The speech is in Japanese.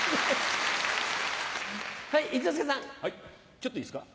ちょっといいですか？